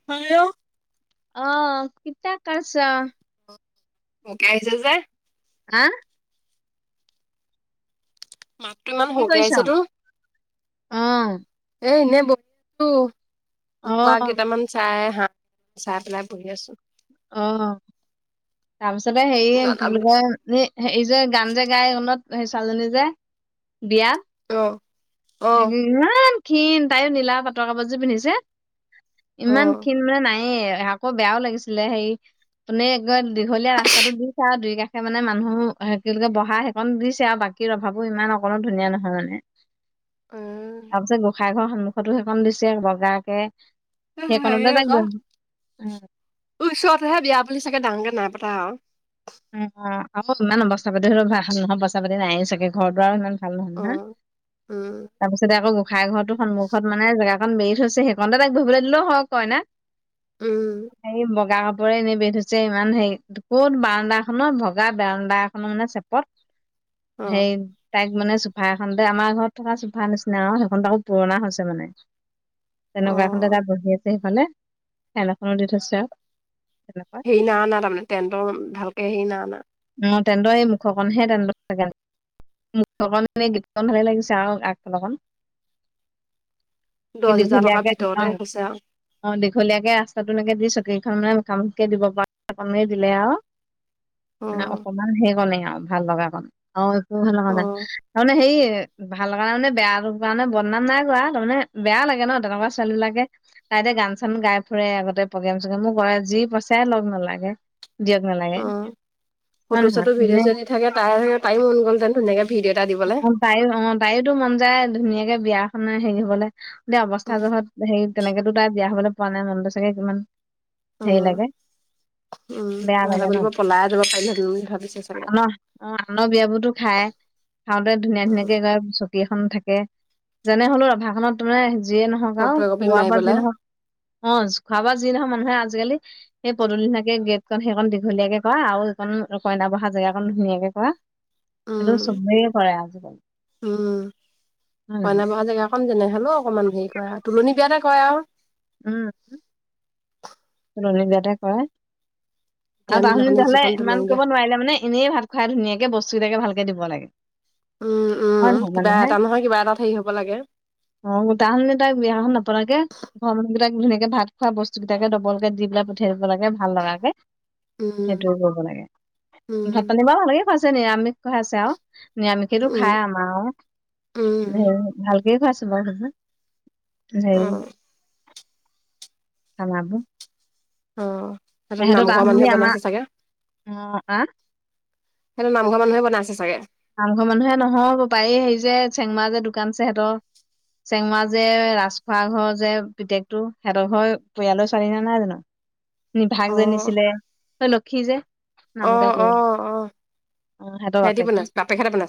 [inaudible] অ, কিত কছা। ম কাইছ হজাৰ [unintelligible] হা, ম [unintelligible] কি কৰিছ, উম, এ এনেই বহি আছো অ কুকোৱা কেইটামান চাই হাঁহ। চাই পালে বহি আছো। অ, তাৰপিছতে হেৰি কি বুলি কয় এ হেৰি যে গান যে গান সেই ছোৱালীজনী যে বিয়া অ, অ ইমান ক্ষীণ তাইো নীলা পাটৰ কাপোৰযোৰ পিন্ধিছে অ ইমান ক্ষিণ মানে নায়ে আকৌ বেয়াও লাগিছিলে হেৰি তুনে দীঘলীয়া ৰাস্তাতো দিছে আৰু, দুই কাষে মানে মানুহ এ কি বহা সেইকণ দিছে আৰু বাকী কি ৰভাৱো ইমান অকণো ধুনীয়া নহয় মানে উম, তাৰপিছত গোঁসাঁই ঘৰৰ সন্মুখতো সেইকন দিছে বগাকে এ হেৰি সেইকণতে ত আকৌ গৈ উম, ওচৰতেহে বিয়া বুলি চাগে ডাঙকে নাই পতা আৰু। উম, আকৌ ইমান অৱস্থা পাতি ধৰিলে ভাল নহয় পইচা পাতি নাইয়ো চাগে, ঘৰতো আৰু ইমান ভাল নহয় অ নহয়, উম তাৰপিছতে আকৌ গোঁসাই ঘৰটোো সন্মুখত মানে জেগা বেৰি থৈছে সেইকণতে তাইক বহিবলৈ দিলো হয় কইনাক উম, হেৰি বগা কাপোৰে এনেই বেৰি থৈছে ইমান হেৰি ক'ত বানৰ্দা। খনৰ ভগা বাৰানদা এখনৰ মানে অ চেপত সেই তাইক মানে চোফা এখনতে আমাৰ ঘৰত থকা চোফা নিচিনা আৰু, সেইখন তাকো পুৰণা হৈছে মানে অ তেনেকুৱা এখনতে তাত বহি আছে সিফালে খেল এখনো দি থৈছো আৰু তেনে ন অনা তাৰমানে টেন্টৰ ভালকে ন অনা। অ, তেন্তৰে এই মুখকনহে তেন্ত মুঠ এনেই গীতখন ভালেই লাগিছে আৰু আগফালৰকন। দহ এদিন হেজাৰ টকাৰ দীঘলীয়াকে ভিতৰতে আউ হৈছে আৰু অ, দীঘলীয়াকে ৰাস্তাটোলৈকে দি চকীখন মানে মুখামুখিকে দিব পাৰে, দিলে আৰু অ মানে অকমান সেই কাৰণে আৰু ভাল লগা কণ আৰু একো ভাল লগা অ নাই। তাৰ মানে হেই ভাল কাৰণে মানে বেয়াটো কাৰণে বদনাম নাই হোৱা তাৰমানে বেয়া লাগে ন, তেনেকুৱা ছোৱালী বিলিলাকে তাইতে গান চান গাই ফুৰে আগতে প্ৰগ্ৰেম চগ্ৰেম মোৰ গ যি পইচাই লগ নালাগে। দিয়ক নালাগে। অ হয় ফটো নহয় চটো ভিডিঅ এনে চিডিও দি থাকে, তাই তাইও গলহেতেন ধুনীয়াকে ভিডিঅ' এটা দিবলৈ। তাইো অ, তাইোতো মন যায় ধুনীয়াকে বিয়াখনে হেৰি হবলৈ এ অৱস্থা উম যোৰহত হেৰি তেনেকেতো তাই বিয়া হবলৈ পোৱা নাই মনটো চাগে কিমান সেই উম লাগে, উম বেয়া নহ'লে লাগে ন বুলিব পলাই যাব পাৰিলোহেঁতেন বুলি ভাবিছে চাগে অ, আনৰ বিয়াবোৰতো খাই খাওঁতে ধুনীয়া উম ধুনীয়াকে গ চকী এখন থাকে, যেনে হ'লেও ৰভাখনত যিয়ে নহওক আৰু ফটো একপি খোৱা মাৰি বা যি পেলাই নহওক অ খোৱা বা যি নহক মানুহে আজিকালি সেই পদূলিনাকে গেটখন সেইখন দীঘলীয়াকে কৰা আৰু এইখন কইনা বহা জেগাখন ধুনীয়াকে কৰা। সেইটো উম, চবেই কৰে আজিকালি হয় কয়না নহয় বহা জেগা যেনে হালেও অকণমান হেৰি কৰা, তুলননি বিয়াতে কৰে আৰু উম। তুলনী বিয়াতে কৰে, এতিয়া আৰু আমি তাহনী সেইদিনাখনি বিয়া হলে যিখন তুলনি ইমান বিয়া কৰিব নোৱাৰিলে মানে এনেই ভাত খোৱাই ধুনীয়াকে বস্তুকেইটাকে ভালকে দিব লাগে। উম, হয় উম, নহয় মানে কিবা এটা নহয় কিবা এটা হেৰি হ'ব লাগে। অ তাৰ সলনি তাই বিয়াখন নপাতাকে ঘৰ মানুহকেইটাক ধুনীয়াকে ভাত খোৱা বস্তু কেইটাকে দবল দি পেলাই পঠিয়াই দিব লাগে ভাল লগাকে। উম সেইটো কৰিব লাগে, ভাত উম পানী বাৰু ভালকে খোৱাইছে নিৰামিষ খোৱাইছে আৰু। নিৰামিষো উম খাই আমাৰ উম ভালকে খাইছো বাৰ অ এই খানাটো অ, সিহঁত নামঘৰ তাহানি মানুহে আমাৰ বনাইছে চাগে। অ আহ সেইটো নামঘৰ মানুহে বনাইছে চাগে নামঘৰ মানুহে নহয় পাৰি হেৰি বপাই যে চেংমা যে দোকানছে সিহঁতৰ। চেংমা যে ৰাজখোৱা ঘৰ যে প্ৰত্যেকটো সিহঁতৰ ঘৰ পৰিয়ালৰ ছোৱালী নে নাই জানো। নিভাগ অ যে নিছিলে লক্ষী যে অ নামকেইটা কৰিল। [inaudible] দিব নাছ বাপে খা বনা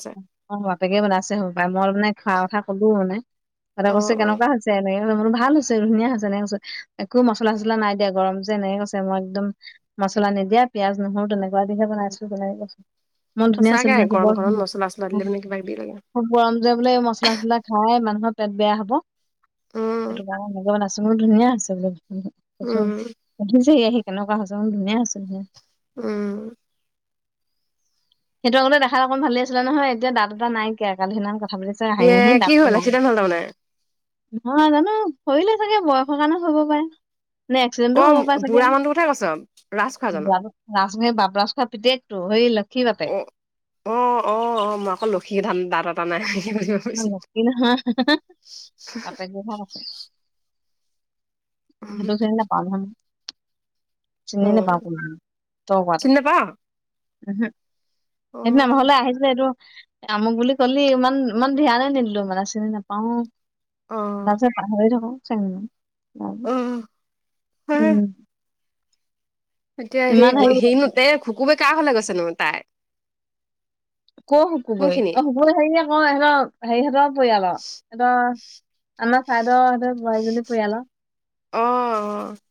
অ, বাপেকে বনাইছে হ'ব পায়, মই মানে খোৱা কথা ক'লো মানে, সিহঁতে অ কৈছে অ কেনেকুৱা হৈছে? এনেকে কলো মই কলো ভাল হৈছে ধুনীয়া হৈছে এনেকে কৈছে একো মছলা-চছলা নাই দিয়া গৰম যে এনেকে কৈছে মই একদম মছলা নিদিয়া পিয়াজ নহৰু তেনেকুৱা দিহে বনাইছো তেনেকৈ কৈছো, মন ধুনীয়া আছে ধুনীয়া আছে বৰ ধুনীয়া মচলা-চচলা দিলে মানে কিব লাগে। খুব গৰম যোৱা বোলে এই মছলা-চছলা খাই মানুহৰ পেট বেয়া হ'ব। উম সেইটো কাৰণে নাচোন বৰ ধুনীয়া হৈছে বোলে উম কচোন উঠিছে এয়া সি কেনেকুৱা হৈছে মই কলো ধুনীয়া আছিলহে। উম। সেইটো আগতে দেখাত অকণ ভাল আছিলে নহয় এতিয়া দাত দুটা নাই কিয়া সিদিনামান কথা পা এ হাঁহি হি কি দাতটো হ'ল নাই। এক্সিডেণ্ট হ'ল তাৰমানে? নহয় জানো ফৰিলে চাগে বয়সৰ কাৰণে হব পাৰে। নে এক্সিডেণ্টটো অ', হ'ব পাৰে চাগে, বুঢ়া মানুহটোৰ কথাই কৈছ? ৰাজ খোৱাজনৰ? ৰা [unintelligible] পিটেকতো হেৰি কি বাপে অ', অ, অ, অ, মই আকৌ লক্ষী ধান দাত এটা নাই ভাবিছো। নি নহয়, তাতে কি ভাল আছে? সেইটো চিল চননে অ', বাব চিনি নাপাৱ? [unintelligible] সেইদিনা আমাৰ অ', ঘৰলে আহিছে এইটো অমুক বুলি কলি ইমান ইমান ধ্যানে নিদিলো মানে চিনি নাপাও, তাৰ অ', পিছত কথা পাতি থাকো অ, হেই উম। এতিয়া সেই ইমান হেৰি সিহঁতে খুকুবে কিৰ হলে গৈছে ন তাই? ক শুকুবৈ, কোনখিনি? অ শুকুবৈ হেৰিয়ে কয় সিহঁত হেৰিহতৰ পৰিয়ালৰ সিহঁতৰ আমাৰ চাইডৰ সিহঁতৰ [unintelligible] পৰিয়ালৰ। অঁ, অ।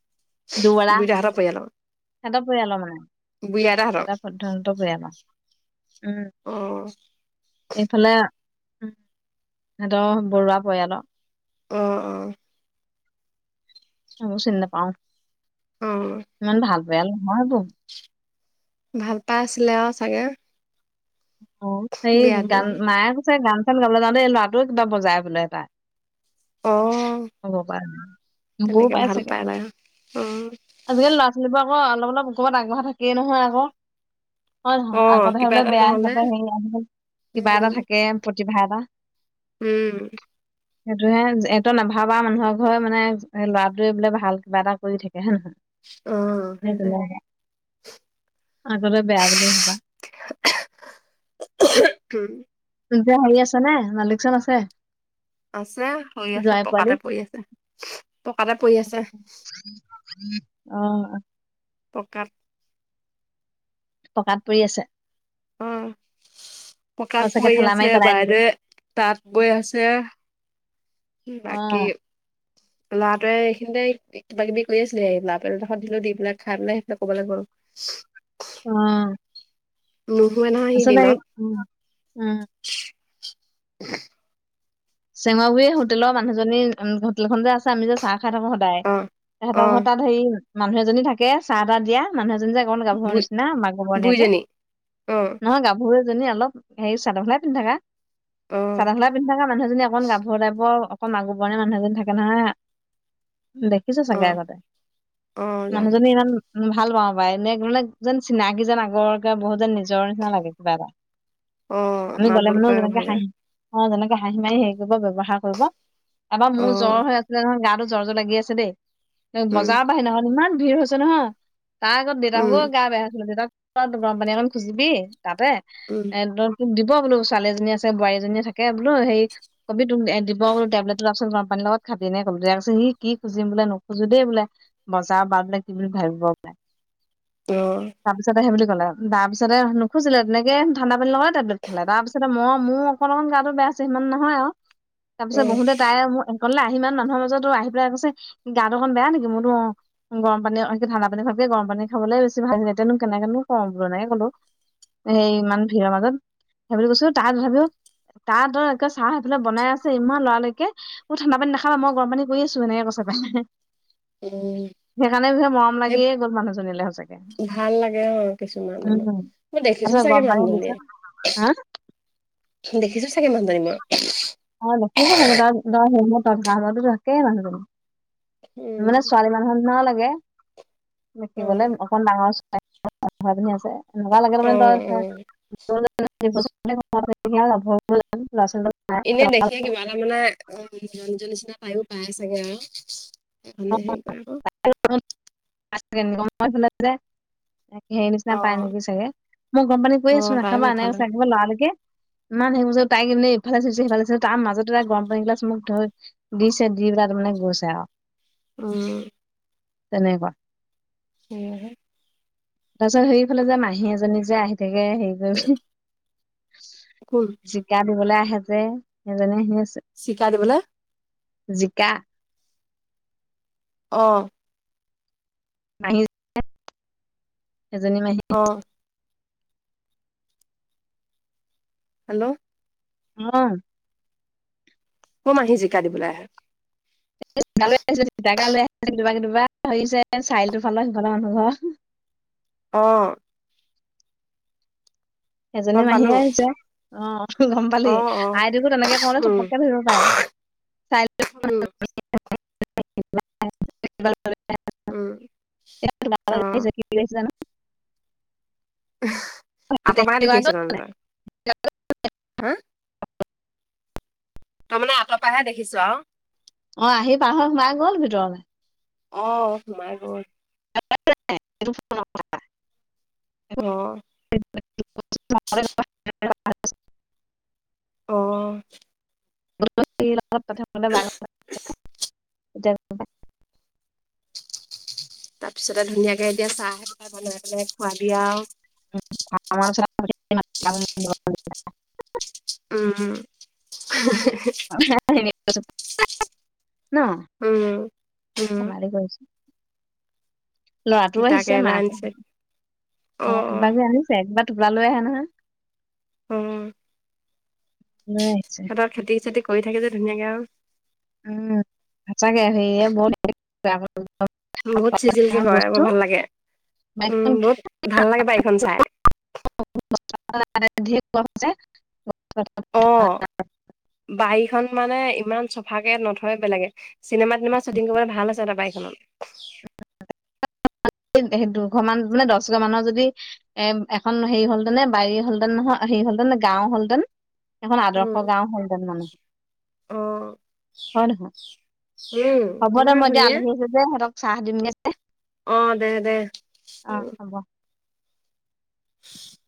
দুৱৰা বুঢ়ীদাহঁতৰ পৰিয়ালৰ? সিহঁতৰ পৰিয়ালৰ মানে বুঢ়ী আইতাহঁতৰ? স টো পৰিয়ালৰ, উম। অ এইফালে সিহঁতৰ বৰুৱা পৰিয়ালৰ অ অ মোৰ চিন্তা পাওঁ অ ইমান ভাল বেয়া নহয়তো ভাল পাই আছিলে আৰু চাগে অ হ বিয়াত। গান মায়ে কৈছে গান চান গাবলৈ যাওঁ দেই ল'ৰাটোও কিবা বজাই বোলে এটা অঁ হ'ব পাৰে নাই বোৰ পাই চাগে নাই। অ'। আজিকালি লৰা ছোৱালীোৰ আক অপ অলপ কৰব আগবঢ় থাকেই নহয় আৌ হয় নয় অ', আগতেহে কিবা বলে এটা বেয়া নহ'লে হিতে হে কিবা এটা উম, থাকে প্ৰতিভা এটা উম সেইটোহে এইটো নাভাল ভ বাা মানুহৰ ঘৰে মানে লৰাটোৱে বোলে ভাল কিবা এটা কৰি থাকে হয়ে নহয় অ', সেইটোৱে। সেইটো আগলৈ বেয়া বুলি ভাবা উম যেয়া হেৰি আছে নে মালিক চন আছে আছে হৈ আছে জোৱাই পোৱালি পকাতে পৰি আছে পকাতে পৰি আছে অ পকা পকাত পৰি আছে অ তই পকাত চাগে পৰি ঠেলা মাৰি আছে পেলাই দিলি। বাইদৰে তাঁত বৈ আছে বাকী উম, [inaudible] লৰাটোৱে ইখিনতে কিবা কিবি কৰি আছিলে এই লৰা পেল এডোখত দিলো দি পেলাই খাই পেলাই কবালৈ গল হয় [unintelligible] অ নুশুৱে ন আছ নাই উ উম চেমাগুৰি হোটেলৰ মানুহজনী উ হোটেলখন যে আছে আমি যে চাহ খাই থাকো অ', তেহেতৰ ঘৰত অ', তাত হেৰি মানুহ এজনী থাকে চাহ তাহ দিয়া মানুহ এজনী কন গাভৰু বুই নিচিনা মাগুৰবৰনিয়াকে বুইজনী, অ', নহয় গা এজনী অলপ হেৰি চাদৰমেখেলাই পিন্ধি থকা অ', চাদৰমেখেলাই পিন্ধি থকা মানুহএজনী অকণ গাভৰ টাইপৰ অকণ মাগুৰবৰণে মানুহ এজনী থাকে নহয় দেখ দেখিছোঁ চাগে অ', আগতে অ', জানো, মানুহজনী ইমান ভাল পাও পাই এনে মানে যেন চিনাকি যেন আগৰকে বহুত যেন নিজৰ নিচিনা লাগে কিবা এটা অ', আমি মাত গ'লে বোল মানুহ কৰে যেনেকে ভালকে, খাঁহিম অ তেনেকে হাঁহি মাৰি হেৰি কৰিব ব্যৱহাৰ কৰিব এবাৰ মোৰ জ্বৰ অ', হৈ আছিলে ন গাটো জ্বৰ জ্বৰ লাগি আছে দেই উম, বজাৰ বাঢ়ি নহয় ইমান ভিৰ হৈছে নহয় তাৰ আগত উম, দেউতাককো গা বেয়াাই আছিলে দেউতাক গৰম পানী অকমান খুজিবি তাতে উম এ তোক দিব বোলো ছোৱালীজনী আছে বোৱাৰীজনী থাকে বোলো সেই কবি তোক দিব কলো টেবলেট টোপচোন গৰমানীৰ লগত খাটি নে কলো দেয়া সি খুজিম বোলে নোখোজো দেই বোলে বজাৰ বা বোলাক কি বুলি ভাবিব বাই অ', তাৰপিছতে সে বুলি কলে তাৰ পিছতে নুখোজিলে তেনেকে ঠাণ্ডা পানী লগাই টেবলেট খালে তাৰপিছতে মই মোৰ অক অকণ গাাতটো বেয়া সিমান নহয় আৰু তাৰ পিছত অ', বহুতে তাই মোৰ কলে আহি ইমান মানুহৰ মাজতো আহি পেলাই আ কৈছে গা অকন বেয়া নেকি মোৰতো অ গৰম পানী অ কি ঠাণ্ডা পানী ভাবি গৰম পানী খাবলৈ বেছি ভাল এতিয়ানো কেনেকো কও অ বুলি এনেকে কলো সেই ইমান ভিৰৰ মাজত সেই বুলি কৈছো তাত তথাবিও ত এনেকে চাহ সেইফালে বনাই আছে ইমান লৰালৰিকে ঠাণ্ডা পানী নাখাবা মই গৰম পানী কৰি আছো এনে কৈছে পালে [inaudible] সেইকাৰণে বিষ মৰম সেই লাগিয়ে গ'ল মানুহজনীলৈ সচাকে ভাল লাগে অ', কিছুমান মানুহ। মই দেখিছো চাগে মানুহজনী, [unintelligible] দেখিছো চাগে মানুজনী মই [unintelligible] উম, মানে ছোৱালী মানুহ নিচিনাও লাগে দেখিবলৈ। অ'। অ', অ', [unintelligible] [unintelligible] [unintelligible] এনেই দেখিয়ে কিবা এটা মানে অ', নিৰঞ্জন নিচিনা তায়ো পাই চাগে আৰু মানে হেৰি কৰে আকৌ যে সেই নিচিনা পাই অ', নেকি চাগে মই গৰম পানী কৈ অ', আছো তাইও নাখাবা এনে এইফালে, চাবা লালকে ইমান সেইবোৰ তাই কিনে ইফালে চিছে সিফালে তাৰ মাজতে তাৰ গৰম পানীগিলাছ মোক ধুই দিছে দি পেল ত মানে গৈছে আৰু উম ধন্যবাদ [inaudible] তাৰপিছত সেইফালে যে মাহী এজনী যে আহি থাকে হেৰি কৰি [inaudible] শিকা দিবলৈ আহে যে সেইজনে শু আছে শিকাই দিবলৈ জিকা অ' [inaudible] এজনী মাহী অ' হেল্ল' [inaudible] কম আহি জিকা দিবলৈ আহে চাক লৈ আহি কেতিয়াবা কেতিয়াবা আহিছে চাৰিলটো ফালৰ সিহঁতৰ মানুহ ঘৰ অ' এজনী গম মাহী পালো, আহি যোৱা অ', গম পালি অ', অ', আইদেউকো তেনেকে কনে উম, ধপককে ধৰিব পাৰে [inaudible] [inaudible] উম, অ', [inaudible] আঁতৰপ দেখি আহিছে তহ তৰ [unintelligible] হা তই মানে আতৰ পৰাহে দেখিছো আৰু অ', আহি পাৰ সোমাই গ'ল ভিতৰলৈ অ', সোমাই বত [inaudible] অ' [inaudible] [unintelligible] অ, [inaudible] তাৰপিছতে ধুনীয়াকে এতিয়া চাহ পেলাই বনাই পেলাই খোৱাবি আৰু। [inaudible] উম [inaudible] [inaudible] ন, উম, উম, ধেমালি কৰিছোঁ। লৰাটোও তিতা আহিছে কেৰেলা মাকো আনিছে আহিছে অ, কিবা যি আনিছে কিবা টোপোলা লৈ আহে নহয়। অ, [inaudible] সিহঁতৰ খতি খেতি কৰি থাকে যে ধুনীয়াকৈ আৰু, উম, সঁচাকে সেৰিয় বহত বহুত চিজিলকে কৰে বস্তু বৰ ভাল লাগে। উম, বাইকখন বহুত ভাল লাগে বাৰীখন চাই। [inaudible] বাৰীখনন মানে ইমান চফাকে নথয় বেলেগে, চিনেমা টিনেমা শ্বুটিং কৰিবলৈ ভাল আছে [inaudible] [inaudible] দুঘ, মান মানে দহ ঘৰমানৰ যদি এ, এখন হেৰি হলতেনে বাৰি হলতেন নহয় হে, হলহতে, গাঁও হলতেন, এখন উম, আদৰ্শ গাও হলটেন মানুহ অ', হয়, নহয়? উম, হ'ব দে, ইমান মই এতিয়া ধুনীয়া আলহী আছে যে, সিহঁতক চাহ দিমগে। অ, দে, দে অ উম। হ'ব [inaudible]